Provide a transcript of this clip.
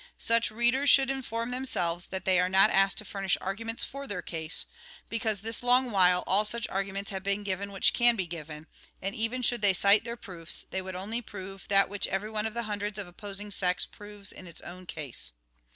Such readers should inform themselves that they are not asked to furnish arguments for their case, AUTHOR'S PREFACE 21 because, this long while, all such arguments have been given which can be given ; and even should they cite their proofs, they would only prove that which every one of the hundreds of opposing sects proves in its own case.